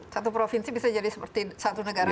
satu provinsi bisa jadi seperti satu negara